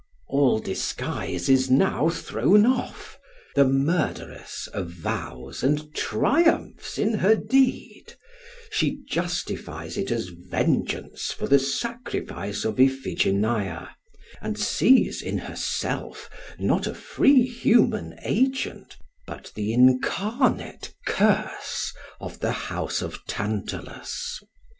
All disguise is now thrown off; the murderess avows and triumphs in her deed; she justifies it as vengeance for the sacrifice of Iphigenia, and sees in herself not a free human agent but the incarnate curse of the House of Tantalus.